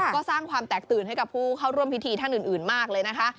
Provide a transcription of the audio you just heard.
ก็สร้างความแตกตื่นให้กับผู้เข้าร่วมพิธีท่านอื่นมากเลยนะคะ